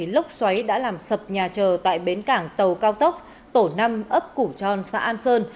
lốc xoáy đã làm sập nhà trờ tại bến cảng tàu cao tốc tổ năm ấp củ tròn xã an sơn